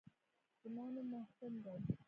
زما نوم محسن دى.